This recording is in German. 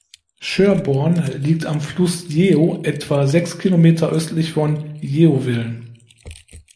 Sherborne liegt am Fluss Yeo, etwa sechs Kilometer östlich von Yeovil.